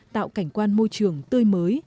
tạo cảnh quan môi trường tươi mới